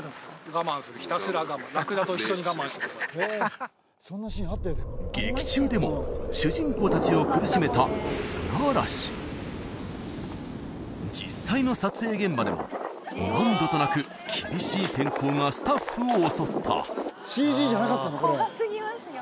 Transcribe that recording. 我慢するひたすら我慢ラクダと一緒に我慢して劇中でも主人公達を苦しめた実際の撮影現場でも何度となく厳しい天候がスタッフを襲った怖すぎますよ